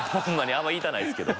あんまり言いたないですけど。